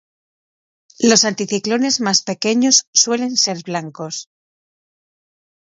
Los anticiclones más pequeños suelen ser blancos.